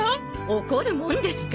怒るもんですか。